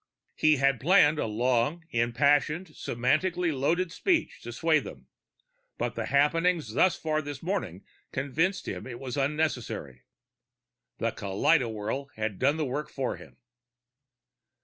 He had planned a long, impassioned, semantically loaded speech to sway them, but the happenings thus far this morning convinced him it was unnecessary. The kaleidowhirl had done the work for him.